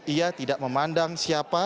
ia tidak memandang siapa